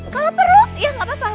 kalau perlu ya gak apa apa